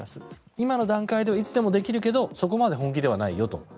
今の段階だといつでもできるけど本気ではないと。